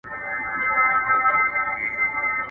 هغه بل موږك را ودانگل ميدان ته.